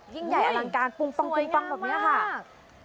ยิ่งใหญ่อลังการปุ้งปังแบบนี้ค่ะ